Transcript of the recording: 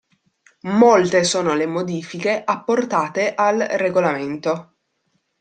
Molte sono le modifiche apportate al regolamento.